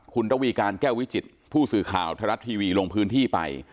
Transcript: คุณระวีการแก้ววิจิตผู้สื่อข่าวไทยรัฐทีวีลงพื้นที่ไป